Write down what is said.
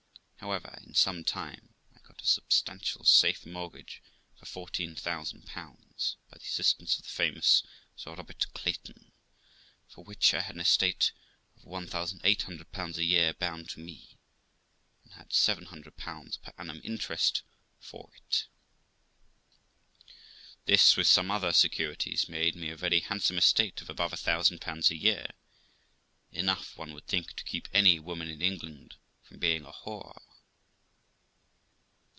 However, in some time, I got a substantial safe mortgage for 14,000 by the assistance of the famous Sir Robert Clayton, for which I had an estate of 1800 a year bound to me, and had 700 per annum interest for it. This, with some other securities, made me a very handsome estate of above a thousand pounds a year; enough, one would think, to keep any woman in England from being a whore.